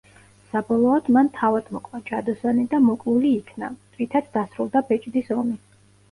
საბოლოოდ, მან თავად მოკლა ჯადოსანი და მოკლული იქნა, რითაც დასრულდა ბეჭდის ომი.